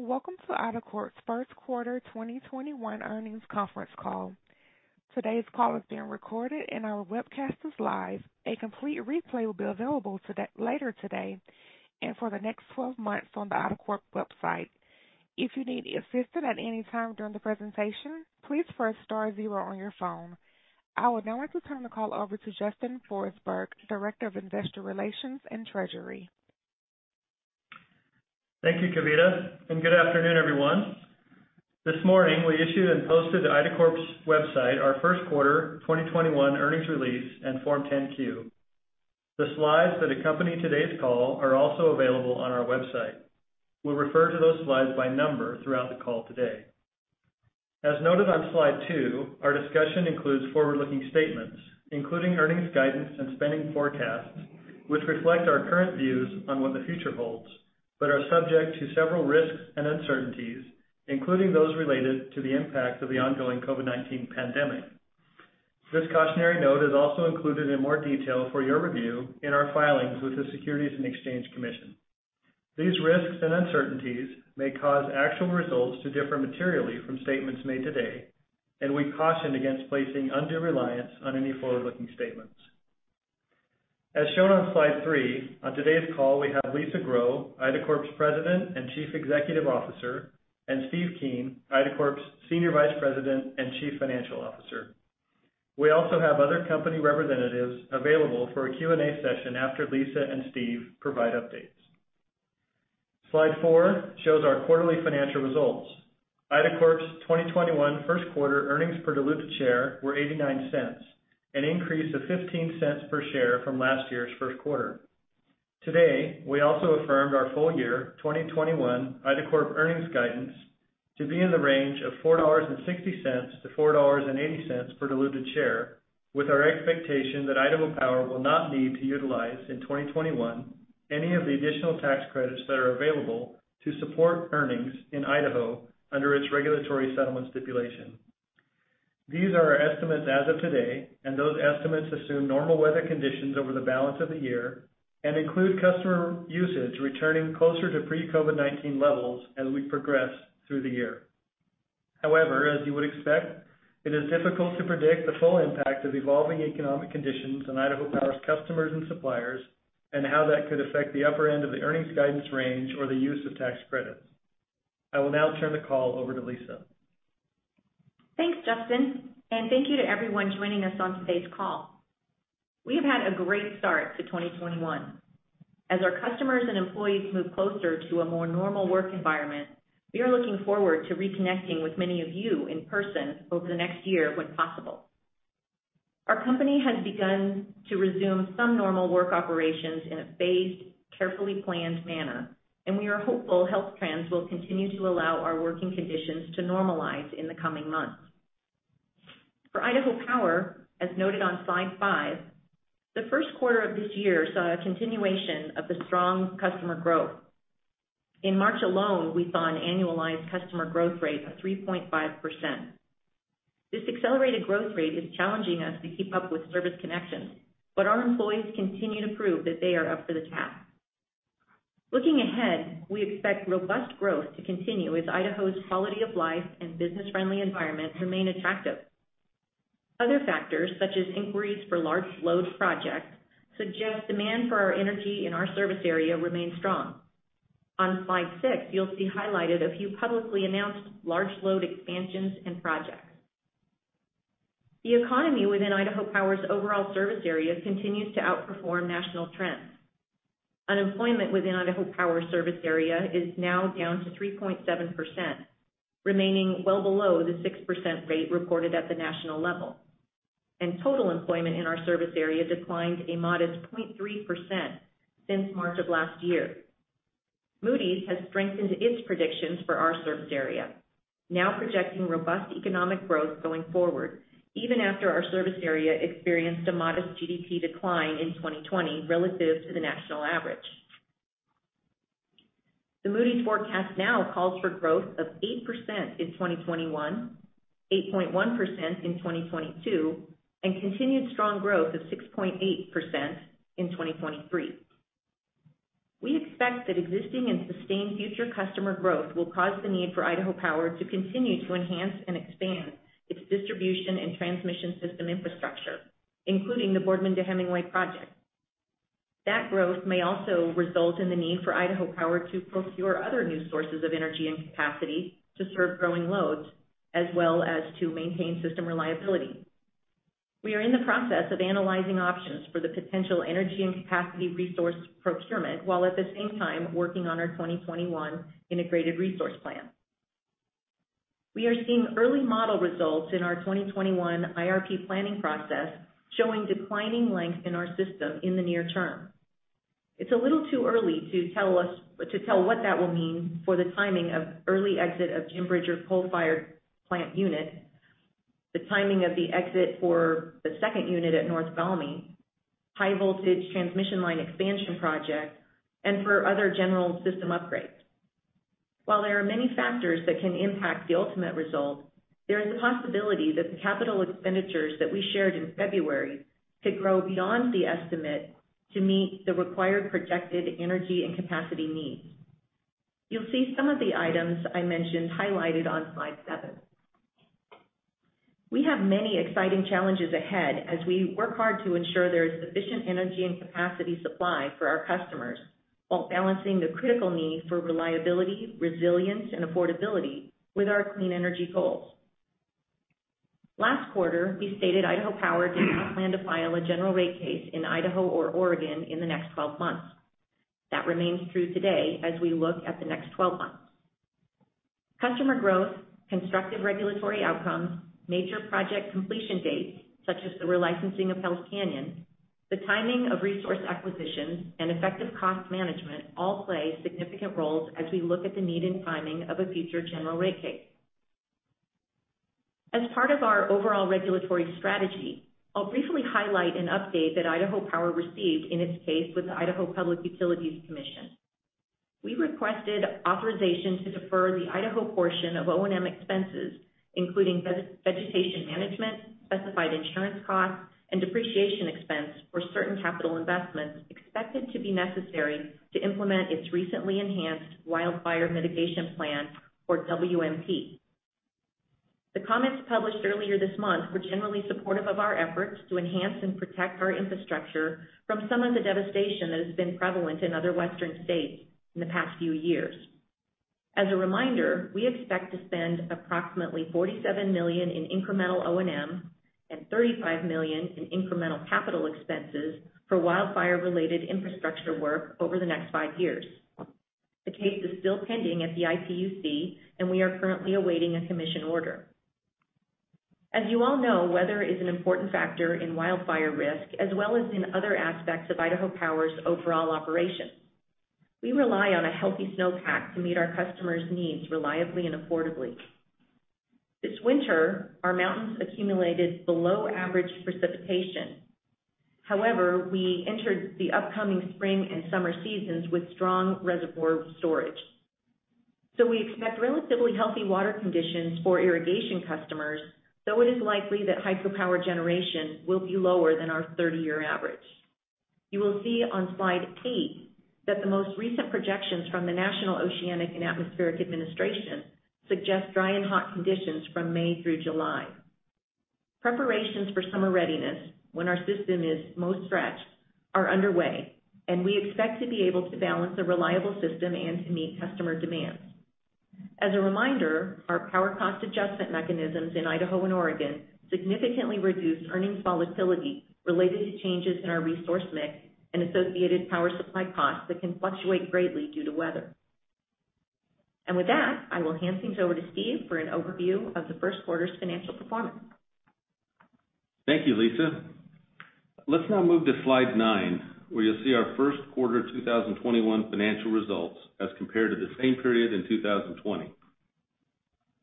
Welcome to IDACORP's first quarter 2021 earnings conference call. Today's call is being recorded, and our webcast is live. A complete replay will be available later today and for the next 12 months on the IDACORP website. If you need assistance at any time during the presentation, please press star zero on your phone. I would now like to turn the call over to Justin Forsberg, Director of Investor Relations and Treasury. Thank you, Kavita, and good afternoon, everyone. This morning, we issued and posted to IDACORP's website our first quarter 2021 earnings release and Form 10-Q. The slides that accompany today's call are also available on our website. We'll refer to those slides by number throughout the call today. As noted on slide two, our discussion includes forward-looking statements, including earnings guidance and spending forecasts, which reflect our current views on what the future holds, but are subject to several risks and uncertainties, including those related to the impact of the ongoing COVID-19 pandemic. This cautionary note is also included in more detail for your review in our filings with the Securities and Exchange Commission. These risks and uncertainties may cause actual results to differ materially from statements made today, and we caution against placing undue reliance on any forward-looking statements. As shown on slide three, on today's call, we have Lisa Grow, IDACORP's President and Chief Executive Officer, and Steve Keen, IDACORP's Senior Vice President and Chief Financial Officer. We also have other company representatives available for a Q&A session after Lisa and Steve provide updates. Slide four shows our quarterly financial results. IDACORP's 2021 first quarter earnings per diluted share were $0.89, an increase of $0.15 per share from last year's first quarter. Today, we also affirmed our full year 2021 IDACORP earnings guidance to be in the range of $4.60-$4.80 per diluted share, with our expectation that Idaho Power will not need to utilize in 2021 any of the additional tax credits that are available to support earnings in Idaho under its regulatory settlement stipulation. These are our estimates as of today, and those estimates assume normal weather conditions over the balance of the year and include customer usage returning closer to pre-COVID-19 levels as we progress through the year. However, as you would expect, it is difficult to predict the full impact of evolving economic conditions on Idaho Power's customers and suppliers and how that could affect the upper end of the earnings guidance range or the use of tax credits. I will now turn the call over to Lisa. Thanks, Justin. Thank you to everyone joining us on today's call. We have had a great start to 2021. As our customers and employees move closer to a more normal work environment, we are looking forward to reconnecting with many of you in person over the next year when possible. Our company has begun to resume some normal work operations in a phased, carefully planned manner, and we are hopeful health trends will continue to allow our working conditions to normalize in the coming months. For Idaho Power, as noted on slide five, the first quarter of this year saw a continuation of the strong customer growth. In March alone, we saw an annualized customer growth rate of 3.5%. This accelerated growth rate is challenging us to keep up with service connections, but our employees continue to prove that they are up for the task. Looking ahead, we expect robust growth to continue as Idaho's quality of life and business-friendly environment remain attractive. Other factors, such as inquiries for large load projects, suggest demand for our energy in our service area remains strong. On slide six, you'll see highlighted a few publicly announced large load expansions and projects. The economy within Idaho Power's overall service area continues to outperform national trends. Unemployment within Idaho Power's service area is now down to 3.7%, remaining well below the 6% rate reported at the national level, and total employment in our service area declined a modest 0.3% since March of last year. Moody's has strengthened its predictions for our service area, now projecting robust economic growth going forward, even after our service area experienced a modest GDP decline in 2020 relative to the national average. The Moody's forecast now calls for growth of 8% in 2021, 8.1% in 2022, and continued strong growth of 6.8% in 2023. We expect that existing and sustained future customer growth will cause the need for Idaho Power to continue to enhance and expand its distribution and transmission system infrastructure, including the Boardman to Hemingway project. That growth may also result in the need for Idaho Power to procure other new sources of energy and capacity to serve growing loads, as well as to maintain system reliability. We are in the process of analyzing options for the potential energy and capacity resource procurement while at the same time working on our 2021 integrated resource plan. We are seeing early model results in our 2021 IRP planning process, showing declining length in our system in the near term. It's a little too early to tell what that will mean for the timing of early exit of Jim Bridger coal-fired plant unit, the timing of the exit for the second unit at North Valmy, high voltage transmission line expansion projects, and for other general system upgrades. While there are many factors that can impact the ultimate result, there is a possibility that the capital expenditures that we shared in February could grow beyond the estimate to meet the required projected energy and capacity needs. You'll see some of the items I mentioned highlighted on slide seven. We have many exciting challenges ahead as we work hard to ensure there is sufficient energy and capacity supply for our customers, while balancing the critical need for reliability, resilience, and affordability with our clean energy goals. Last quarter, we stated Idaho Power did not plan to file a general rate case in Idaho or Oregon in the next 12 months. That remains true today as we look at the next 12 months. Customer growth, constructive regulatory outcomes, major project completion dates, such as the relicensing of Hells Canyon, the timing of resource acquisitions, and effective cost management all play significant roles as we look at the need and timing of a future general rate case. As part of our overall regulatory strategy, I'll briefly highlight an update that Idaho Power received in its case with the Idaho Public Utilities Commission. We requested authorization to defer the Idaho portion of O&M expenses, including vegetation management, specified insurance costs, and depreciation expense for certain capital investments expected to be necessary to implement its recently enhanced Wildfire Mitigation Plan, or WMP. The comments published earlier this month were generally supportive of our efforts to enhance and protect our infrastructure from some of the devastation that has been prevalent in other Western states in the past few years. As a reminder, we expect to spend approximately $47 million in incremental O&M and $35 million in incremental capital expenses for wildfire-related infrastructure work over the next five years. The case is still pending at the IPUC, and we are currently awaiting a commission order. As you all know, weather is an important factor in wildfire risk, as well as in other aspects of Idaho Power's overall operation. We rely on a healthy snowpack to meet our customers' needs reliably and affordably. This winter, our mountains accumulated below average precipitation. However, we entered the upcoming spring and summer seasons with strong reservoir storage. We expect relatively healthy water conditions for irrigation customers, though it is likely that hydropower generation will be lower than our 30-year average. You will see on slide eight that the most recent projections from the National Oceanic and Atmospheric Administration suggest dry and hot conditions from May through July. Preparations for summer readiness, when our system is most stretched, are underway, and we expect to be able to balance a reliable system and to meet customer demands. As a reminder, our power cost adjustment mechanisms in Idaho and Oregon significantly reduce earnings volatility related to changes in our resource mix and associated power supply costs that can fluctuate greatly due to weather. With that, I will hand things over to Steve for an overview of the first quarter's financial performance. Thank you, Lisa. Let's now move to slide nine, where you'll see our first quarter 2021 financial results as compared to the same period in 2020.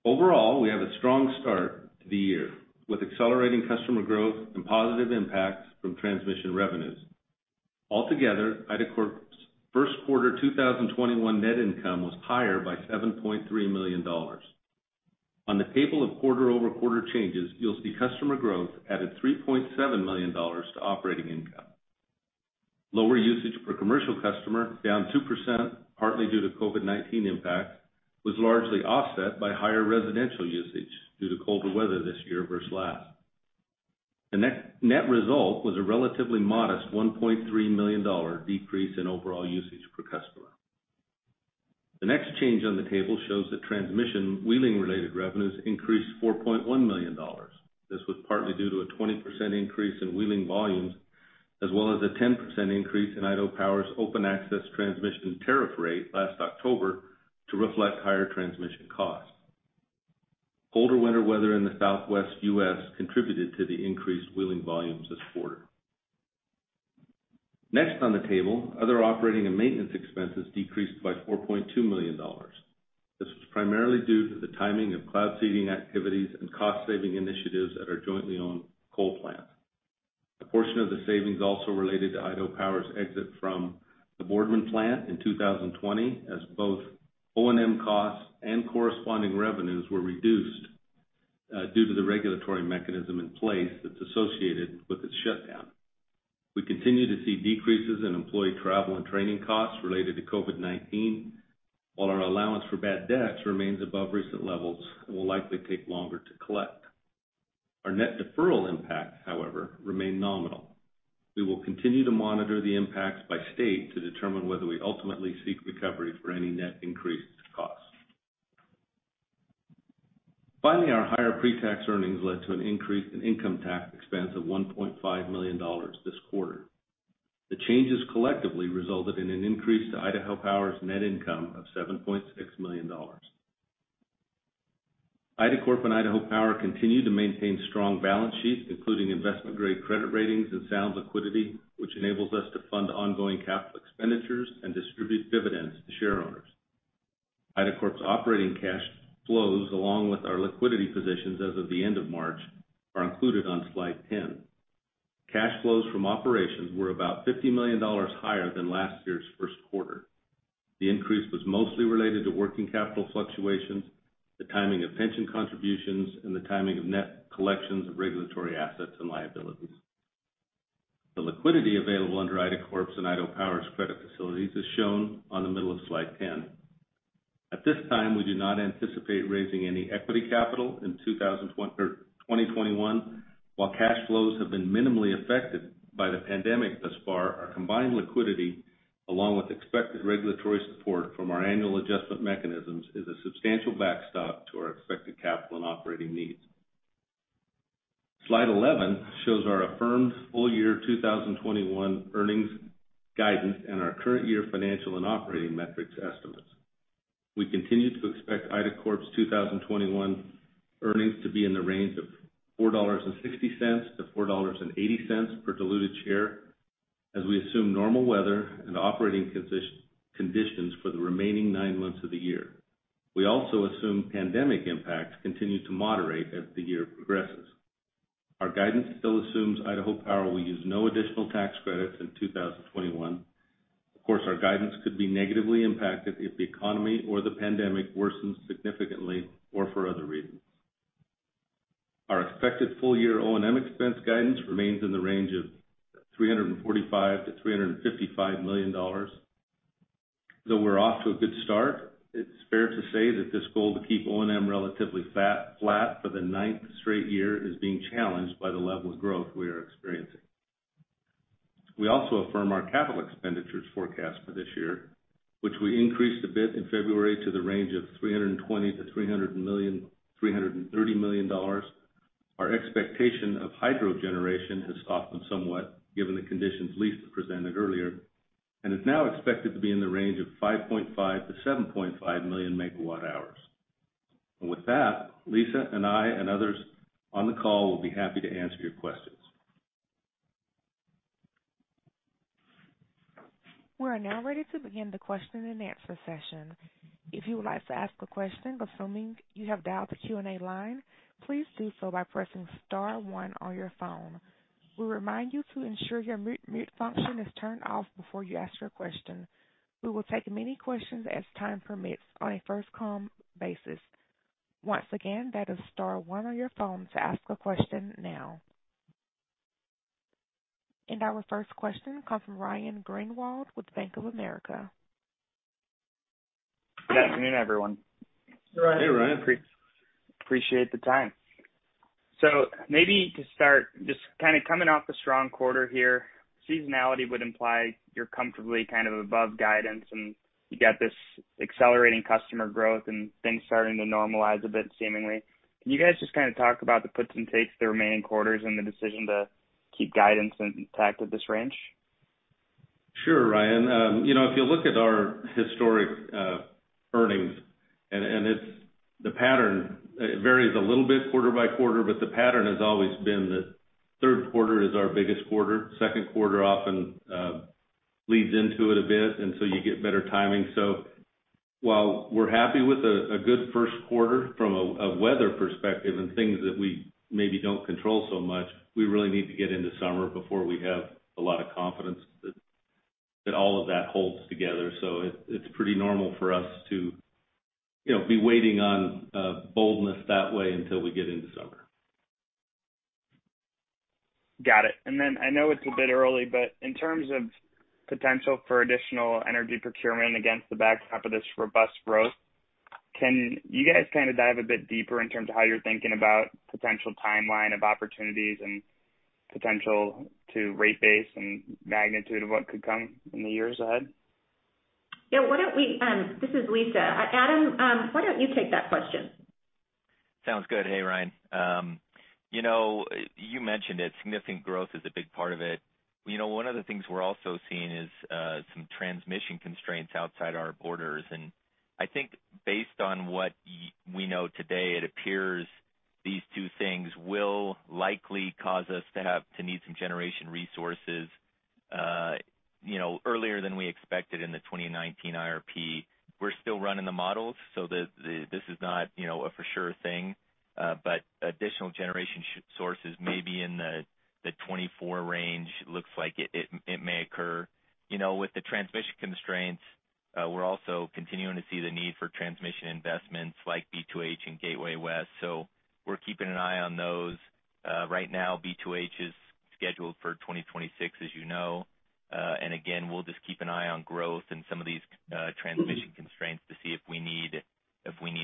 Overall, we have a strong start to the year, with accelerating customer growth and positive impacts from transmission revenues. Altogether, IDACORP's first quarter 2021 net income was higher by $7.3 million. On the table of quarter-over-quarter changes, you'll see customer growth added $3.7 million to operating income. Lower usage per commercial customer, down 2%, partly due to COVID-19 impact, was largely offset by higher residential usage due to colder weather this year versus last. The net result was a relatively modest $1.3 million decrease in overall usage per customer. The next change on the table shows that transmission wheeling-related revenues increased $4.1 million. This was partly due to a 20% increase in wheeling volumes, as well as a 10% increase in Idaho Power's Open Access Transmission Tariff rate last October to reflect higher transmission costs. Colder winter weather in the Southwest U.S. contributed to the increased wheeling volumes this quarter. Next on the table, other operating and maintenance expenses decreased by $4.2 million. This was primarily due to the timing of cloud seeding activities and cost-saving initiatives at our jointly-owned coal plant. A portion of the savings also related to Idaho Power's exit from the Boardman plant in 2020, as both O&M costs and corresponding revenues were reduced due to the regulatory mechanism in place that's associated with its shutdown. We continue to see decreases in employee travel and training costs related to COVID-19, while our allowance for bad debts remains above recent levels and will likely take longer to collect. Our net deferral impacts, however, remain nominal. We will continue to monitor the impacts by state to determine whether we ultimately seek recovery for any net increased costs. Finally, our higher pre-tax earnings led to an increase in income tax expense of $1.5 million this quarter. The changes collectively resulted in an increase to Idaho Power's net income of $7.6 million. IDACORP and Idaho Power continue to maintain strong balance sheets, including investment-grade credit ratings and sound liquidity, which enables us to fund ongoing capital expenditures and distribute dividends to share owners. IDACORP's operating cash flows, along with our liquidity positions as of the end of March, are included on slide 10. Cash flows from operations were about $50 million higher than last year's first quarter. The increase was mostly related to working capital fluctuations, the timing of pension contributions, and the timing of net collections of regulatory assets and liabilities. The liquidity available under IDACORP's and Idaho Power's credit facilities is shown on the middle of slide 10. At this time, we do not anticipate raising any equity capital in 2021. While cash flows have been minimally affected by the pandemic thus far, our combined liquidity, along with expected regulatory support from our annual adjustment mechanisms, is a substantial backstop to our expected capital and operating needs. Slide 11 shows our affirmed full year 2021 earnings guidance and our current year financial and operating metrics estimates. We continue to expect IDACORP's 2021 earnings to be in the range of $4.60-$4.80 per diluted share, as we assume normal weather and operating conditions for the remaining nine months of the year. We also assume pandemic impacts continue to moderate as the year progresses. Our guidance still assumes Idaho Power will use no additional tax credits in 2021. Of course, our guidance could be negatively impacted if the economy or the pandemic worsens significantly, or for other reasons. Our expected full year O&M expense guidance remains in the range of $345 million-$355 million. Though we're off to a good start, it's fair to say that this goal to keep O&M relatively flat for the ninth straight year is being challenged by the level of growth we are experiencing. We also affirm our capital expenditures forecast for this year, which we increased a bit in February to the range of $320 million-$330 million. Our expectation of hydro generation has softened somewhat given the conditions Lisa presented earlier, and is now expected to be in the range of 5.5 million MWh-7.5 million MWh. With that, Lisa and I and others on the call will be happy to answer your questions. We are now ready to begin the question and answer session. If you would like to ask a question, assuming you have dialed the Q&A line, please do so by pressing star one on your phone. We remind you to ensure your mute function is turned off before you ask your question. We will take as many questions as time permits on a first come basis. Once again, that is star one on your phone to ask a question now. Our first question comes from Ryan Greenwald with Bank of America. Good afternoon, everyone. Hey, Ryan. Appreciate the time. Maybe to start, just kind of coming off a strong quarter here, seasonality would imply you're comfortably above guidance, and you got this accelerating customer growth and things starting to normalize a bit seemingly. Can you guys just talk about the puts and takes the remaining quarters and the decision to keep guidance intact at this range? Sure, Ryan. If you look at our historic earnings, the pattern varies a little bit quarter by quarter, but the pattern has always been that third quarter is our biggest quarter. Second quarter often leads into it a bit, you get better timing. While we're happy with a good first quarter from a weather perspective and things that we maybe don't control so much, we really need to get into summer before we have a lot of confidence that all of that holds together. It's pretty normal for us to be waiting on boldness that way until we get into summer. Got it. I know it's a bit early, but in terms of potential for additional energy procurement against the backdrop of this robust growth, can you guys kind of dive a bit deeper in terms of how you're thinking about potential timeline of opportunities and potential to rate base and magnitude of what could come in the years ahead? Yeah, why don't we This is Lisa. Adam, why don't you take that question? Sounds good. Hey, Ryan. You mentioned it, significant growth is a big part of it. One of the things we're also seeing is some transmission constraints outside our borders, and I think based on what we know today, it appears these two things will likely cause us to need some generation resources earlier than we expected in the 2019 IRP. We're still running the models, so this is not a for sure thing. Additional generation sources may be in the 2024 range. Looks like it may occur. With the transmission constraints, we're also continuing to see the need for transmission investments like B2H and Gateway West. We're keeping an eye on those. Right now, B2H is scheduled for 2026, as you know. Again, we'll just keep an eye on growth and some of these transmission constraints to see if we need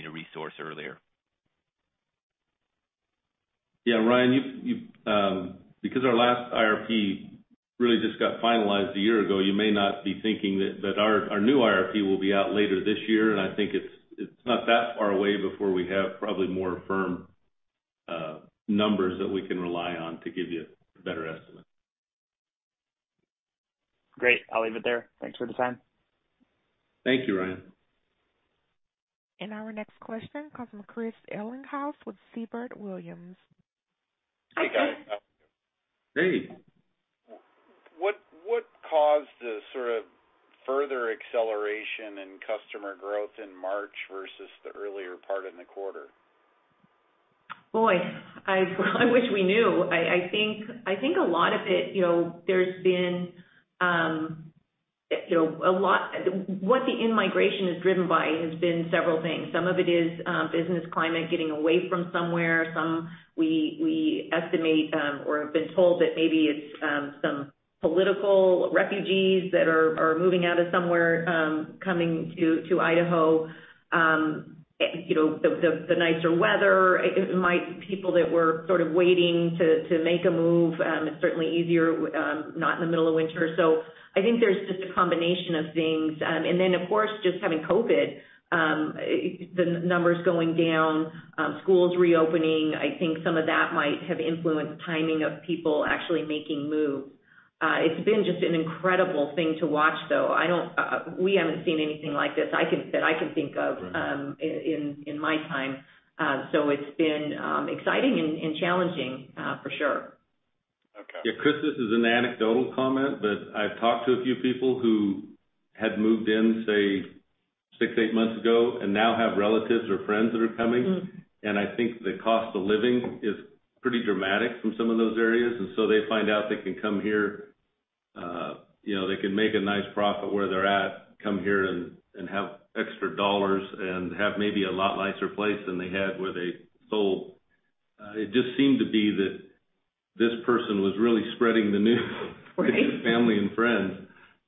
a resource earlier. Yeah, Ryan, because our last IRP really just got finalized a year ago, you may not be thinking that our new IRP will be out later this year, and I think it's not that far away before we have probably more firm numbers that we can rely on to give you a better estimate. Great. I'll leave it there. Thanks for the time. Thank you, Ryan. Our next question comes from Chris Ellinghaus with Siebert Williams. Hey, guys. How are you? Hey. What caused the sort of further acceleration in customer growth in March versus the earlier part in the quarter? Boy, I wish we knew. I think a lot of it, what the in-migration is driven by has been several things. Some of it is business climate, getting away from somewhere. Some we estimate, or have been told, that maybe it's some political refugees that are moving out of somewhere, coming to Idaho. The nicer weather. It might be people that were sort of waiting to make a move. It's certainly easier not in the middle of winter. I think there's just a combination of things. Of course, just having COVID, the numbers going down, schools reopening. I think some of that might have influenced the timing of people actually making moves. It's been just an incredible thing to watch, though. We haven't seen anything like this that I can think of. in my time. It's been exciting and challenging, for sure. Okay. Yeah, Chris, this is an anecdotal comment, but I've talked to a few people who had moved in, say, six, eight months ago, and now have relatives or friends that are coming. I think the cost of living is pretty dramatic from some of those areas. They find out they can come here, they can make a nice profit where they're at, come here and have extra dollars, and have maybe a lot nicer place than they had where they sold. It just seemed to be that this person was really spreading the news. Right to family and friends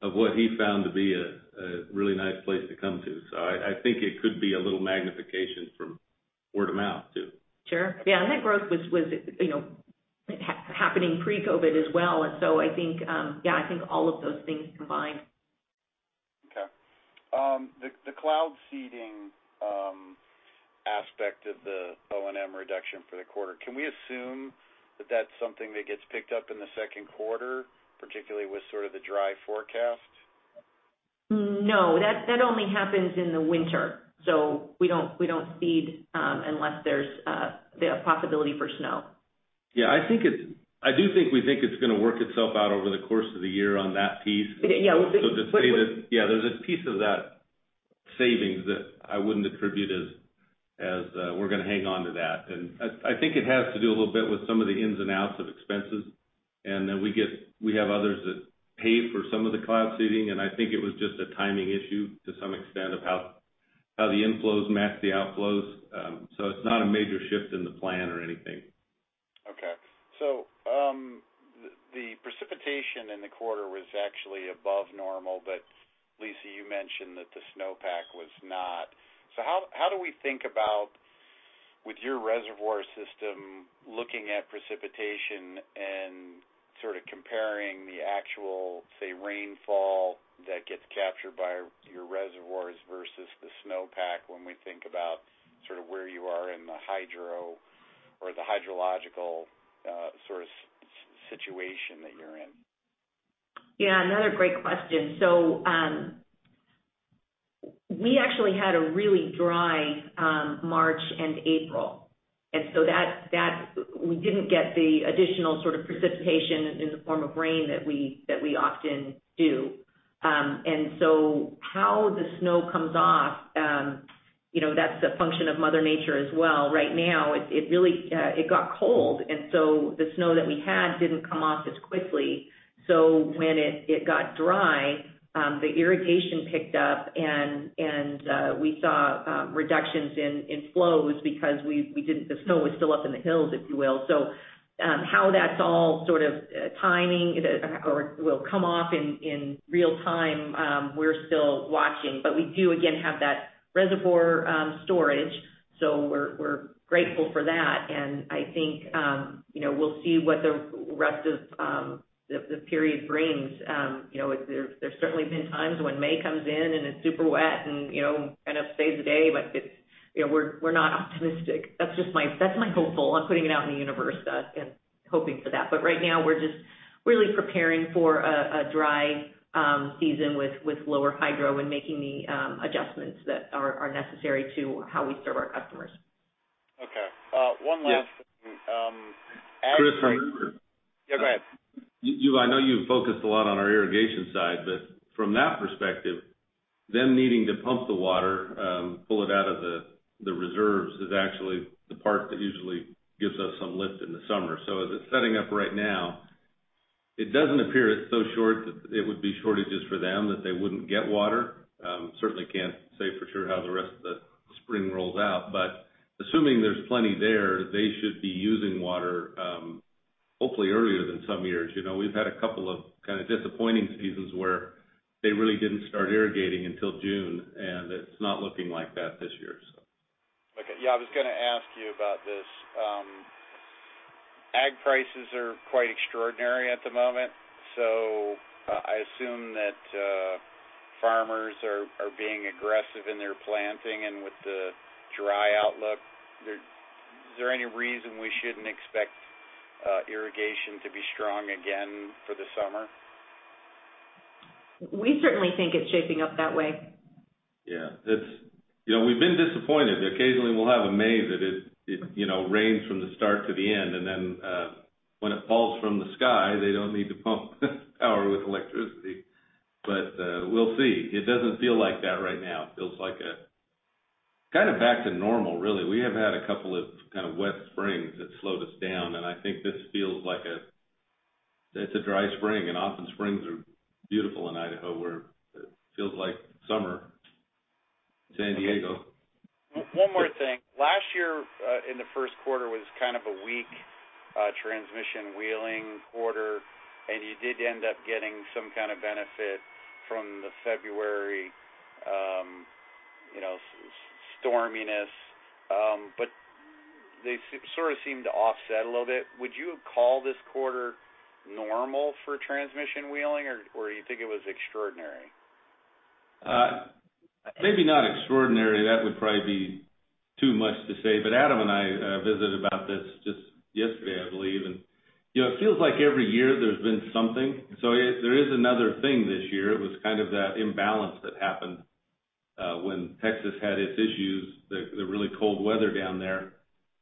of what he found to be a really nice place to come to. I think it could be a little magnification from word of mouth, too. Sure. Yeah, that growth was happening pre-COVID as well. I think all of those things combined. Okay. The cloud seeding aspect of the O&M reduction for the quarter, can we assume that that's something that gets picked up in the second quarter, particularly with sort of the dry forecast? No. That only happens in the winter, so we don't seed unless there's the possibility for snow. Yeah, I do think we think it's going to work itself out over the course of the year on that piece. Yeah. To say that, yeah, there's a piece of that savings that I wouldn't attribute as we're going to hang on to that. I think it has to do a little bit with some of the ins and outs of expenses. Then we have others that pay for some of the cloud seeding, and I think it was just a timing issue to some extent of how the inflows match the outflows. It's not a major shift in the plan or anything. Okay. The precipitation in the quarter was actually above normal. Lisa, you mentioned that the snowpack was not. How do we think about, with your reservoir system, looking at precipitation and sort of comparing the actual, say, rainfall that gets captured by your reservoirs versus the snowpack when we think about where you are in the hydro or the hydrological sort of situation that you're in? Yeah, another great question. We actually had a really dry March and April. We didn't get the additional sort of precipitation in the form of rain that we often do. How the snow comes off, that's a function of Mother Nature as well. Right now, it got cold, and so the snow that we had didn't come off as quickly. When it got dry, the irrigation picked up, and we saw reductions in flows because the snow was still up in the hills, if you will. How that's all sort of timing or will come off in real time, we're still watching. We do, again, have that reservoir storage, so we're grateful for that. I think we'll see what the rest of the period brings. There's certainly been times when May comes in and it's super wet and kind of saves the day, but we're not optimistic. That's my hopeful. I'm putting it out in the universe, Chris, and hoping for that. Right now, we're just really preparing for a dry season with lower hydro and making the adjustments that are necessary to how we serve our customers. Okay. One last thing. Yes. Ag prices- Chris. Yeah, go ahead. I know you've focused a lot on our irrigation side, but from that perspective, them needing to pump the water, pull it out of the reserves, is actually the part that usually gives us some lift in the summer. As it's setting up right now, it doesn't appear it's so short that it would be shortages for them that they wouldn't get water. Certainly can't say for sure how the rest of the spring rolls out. Assuming there's plenty there, they should be using water hopefully earlier than some years. We've had a couple of kind of disappointing seasons where they really didn't start irrigating until June, and it's not looking like that this year, so. Okay. Yeah, I was going to ask you about this. Ag prices are quite extraordinary at the moment, so I assume that farmers are being aggressive in their planting and with the dry outlook. Is there any reason we shouldn't expect irrigation to be strong again for the summer? We certainly think it's shaping up that way. Yeah. We've been disappointed. Occasionally, we'll have a May that it rains from the start to the end, and then when it falls from the sky, they don't need to pump power with electricity. We'll see. It doesn't feel like that right now. It feels like kind of back to normal, really. We have had a couple of kind of wet springs that slowed us down. I think this feels like a dry spring, and often springs are beautiful in Idaho, where it feels like summer in San Diego. One more thing. Last year, in the first quarter, was kind of a weak transmission wheeling quarter, and you did end up getting some kind of benefit from the February storminess. They sort of seem to offset a little bit. Would you call this quarter normal for transmission wheeling, or you think it was extraordinary? Maybe not extraordinary. That would probably be too much to say, but Adam and I visited about this just yesterday, I believe, and it feels like every year there's been something. There is another thing this year. It was kind of that imbalance that happened, when Texas had its issues, the really cold weather down there.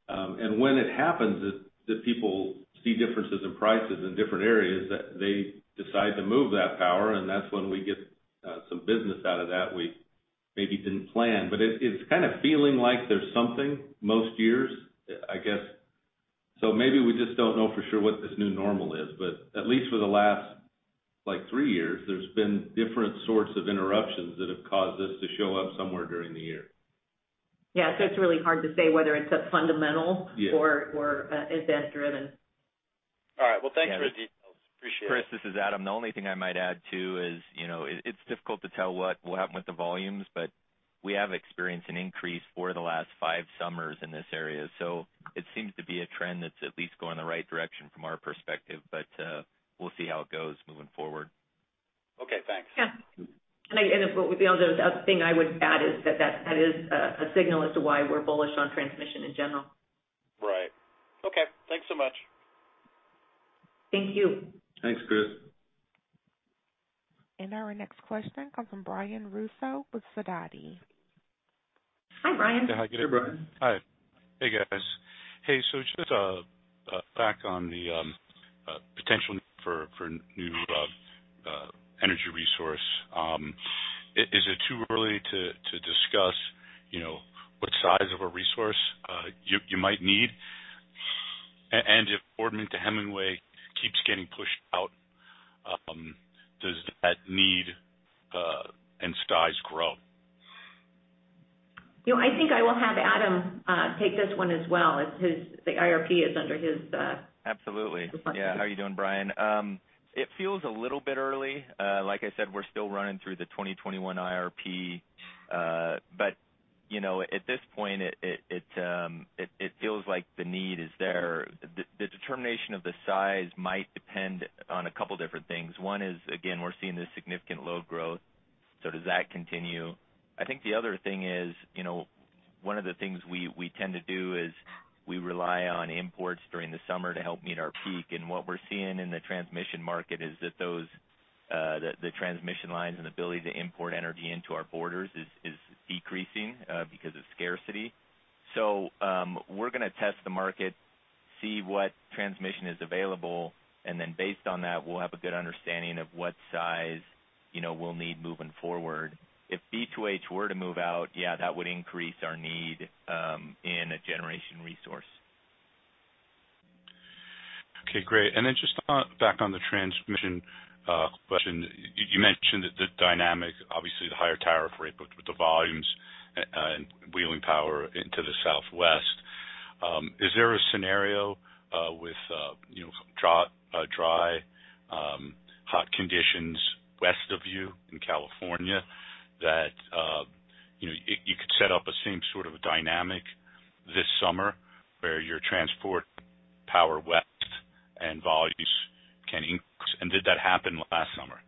When it happens that people see differences in prices in different areas, they decide to move that power, and that's when we get some business out of that we maybe didn't plan. It's kind of feeling like there's something most years, I guess. Maybe we just don't know for sure what this new normal is, but at least for the last three years, there's been different sorts of interruptions that have caused this to show up somewhere during the year. Yeah. It's really hard to say whether it's a fundamental- Yeah ...or event-driven. All right. Well, thanks for the details. Appreciate it. Chris, this is Adam. The only thing I might add, too, is it's difficult to tell what will happen with the volumes. We have experienced an increase for the last five summers in this area. It seems to be a trend that's at least going the right direction from our perspective. We'll see how it goes moving forward. Okay. Thanks. Yeah. The other thing I would add is that that is a signal as to why we're bullish on transmission in general. Right. Okay. Thanks so much. Thank you. Thanks, Chris. Our next question comes from Brian Russo with Sidoti. Hi, Brian. Yeah, hi. Hey, just back on the potential for new energy resource. Is it too early to discuss what size of a resource you might need? If Boardman to Hemingway keeps getting pushed out, does that need and size grow? I think I will have Adam take this one as well, as the IRP is under his- Absolutely ...responsibility. Yeah. How are you doing, Brian? It feels a little bit early. Like I said, we're still running through the 2021 IRP. At this point, it feels like the need is there. The determination of the size might depend on a couple different things. One is, again, we're seeing this significant load growth, does that continue? I think the other thing is, one of the things we tend to do is we rely on imports during the summer to help meet our peak. What we're seeing in the transmission market is that the transmission lines and ability to import energy into our borders is decreasing because of scarcity. We're going to test the market, see what transmission is available, and then based on that, we'll have a good understanding of what size we'll need moving forward. If B2H were to move out, yeah, that would increase our need in a generation resource. Okay, great. Just back on the transmission question. You mentioned the dynamic, obviously the higher tariff rate, but with the volumes and wheeling power into the Southwest. Is there a scenario with drought, dry, hot conditions west of you in California that you could set up a same sort of dynamic this summer where your transport power west and volumes can increase? Did that happen last summer?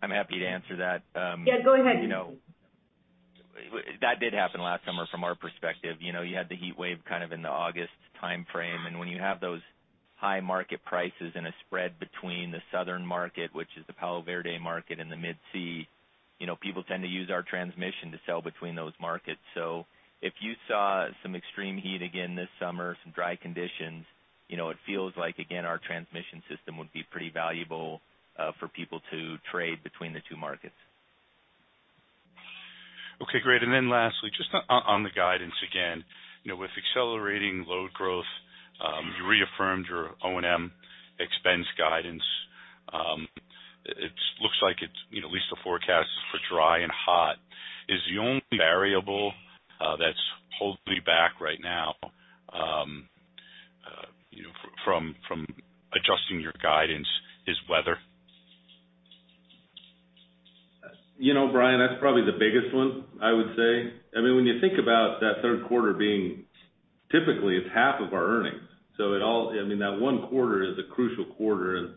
I'm happy to answer that. Yeah, go ahead. That did happen last summer from our perspective. You had the heat wave kind of in the August timeframe, and when you have those high market prices and a spread between the southern market, which is the Palo Verde market and the Mid-C, people tend to use our transmission to sell between those markets. If you saw some extreme heat again this summer, some dry conditions, it feels like, again, our transmission system would be pretty valuable, for people to trade between the two markets. Okay, great. Lastly, just on the guidance again. With accelerating load growth, you reaffirmed your O&M expense guidance. It looks like it's, at least the forecast is for dry and hot. Is the only variable that's holding you back right now from adjusting your guidance is weather? Brian, that's probably the biggest one, I would say. When you think about that third quarter being, typically, it's half of our earnings, so that one quarter is a crucial quarter.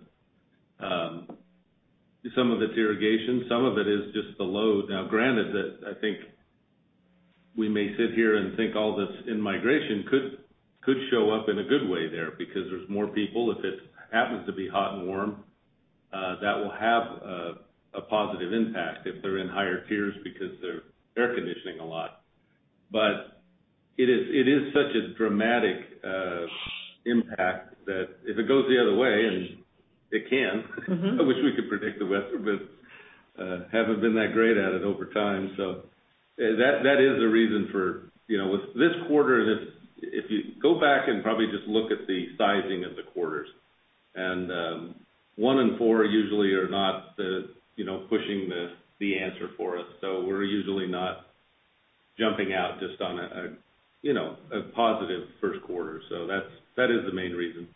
Some of it's irrigation, some of it is just the load. Granted that I think we may sit here and think all this in-migration could show up in a good way there, because there's more people if it happens to be hot and warm. That will have a positive impact if they're in higher tiers because they're air conditioning a lot. It is such a dramatic impact that if it goes the other way, and it can. I wish we could predict the weather, but haven't been that great at it over time. That is a reason for With this quarter, if you go back and probably just look at the sizing of the quarters, and one and four usually are not pushing the answer for us, so we're usually not jumping out just on a positive first quarter. That is the main reason.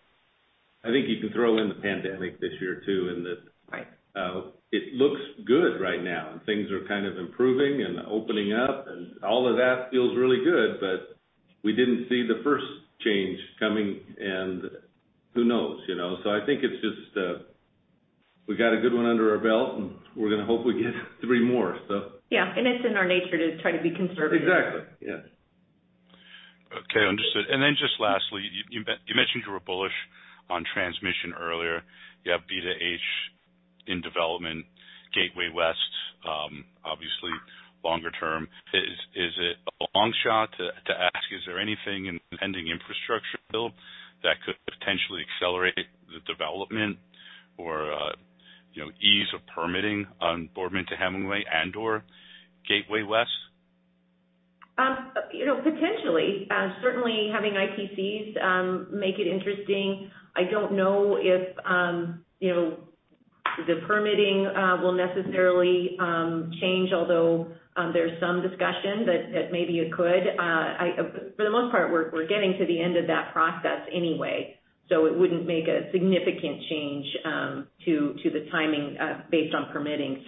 I think you can throw in the pandemic this year, too. Right it looks good right now and things are kind of improving and opening up, and all of that feels really good. We didn't see the first change coming, Who knows? I think it's just we got a good one under our belt, We're going to hope we get three more, so. Yeah. It's in our nature to try to be conservative. Exactly. Yeah. Okay, understood. Just lastly, you mentioned you were bullish on transmission earlier. You have B2H in development, Gateway West obviously longer term. Is it a long shot to ask, is there anything in pending infrastructure bill that could potentially accelerate the development or ease of permitting on Boardman to Hemingway and/or Gateway West? Potentially. Certainly, having ITCs make it interesting. I don't know if the permitting will necessarily change, although there's some discussion that maybe it could. For the most part, we're getting to the end of that process anyway, so it wouldn't make a significant change to the timing based on permitting.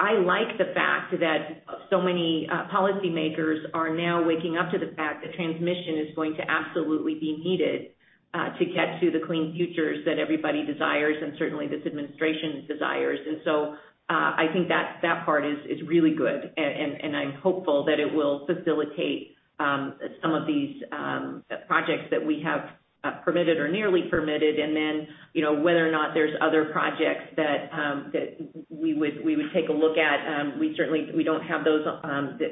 I like the fact that so many policymakers are now waking up to the fact that transmission is going to absolutely be needed to get to the clean futures that everybody desires, and certainly this administration desires. I think that part is really good, and I'm hopeful that it will facilitate some of these projects that we have permitted or nearly permitted. Then, whether or not there's other projects that we would take a look at, we don't have those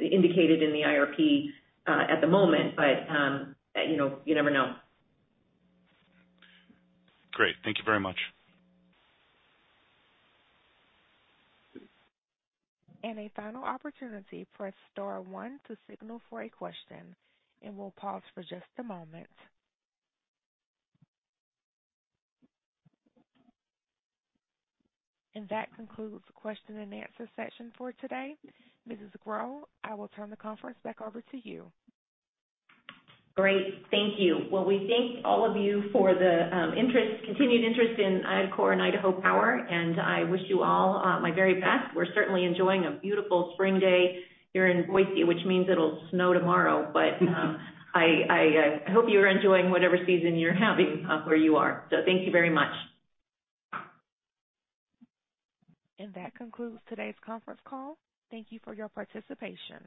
indicated in the IRP at the moment. You never know. Great. Thank you very much. A final opportunity, press star one to signal for a question, and we'll pause for just a moment. That concludes the question and answer session for today. Mrs. Grow, I will turn the conference back over to you. Great. Thank you. We thank all of you for the continued interest in IDACORP and Idaho Power, and I wish you all my very best. We're certainly enjoying a beautiful spring day here in Boise, which means it'll snow tomorrow. I hope you're enjoying whatever season you're having where you are. Thank you very much. That concludes today's conference call. Thank you for your participation.